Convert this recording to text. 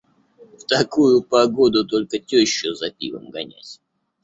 В такую погоду только тёщу за пивом гонять.